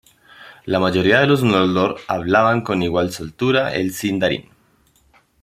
La mayoría de los Noldor hablaban con igual soltura el Sindarin.